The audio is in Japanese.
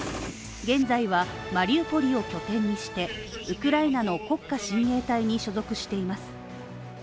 現在は、マリウポリを拠点にしてウクライナの国家親衛隊に所属しています。